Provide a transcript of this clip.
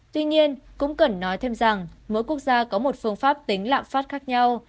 tuy nhiên cũng cần nói thêm rằng mỗi quốc gia có một phương pháp tính lạm phát khác nhau